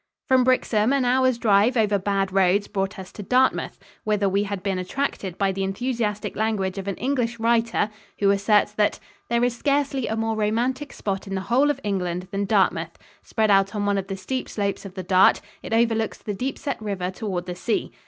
From Brixham, an hour's drive over bad roads brought us to Dartmouth, whither we had been attracted by the enthusiastic language of an English writer who asserts that "There is scarcely a more romantic spot in the whole of England than Dartmouth. Spread out on one of the steep slopes of the Dart, it overlooks the deep set river toward the sea.